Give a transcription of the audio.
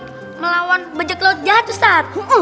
dia mau melawan bajak laut jahat ustadz